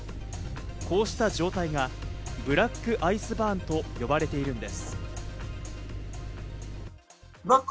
こうした状態がブラックアイスバーンと呼ばれているんです。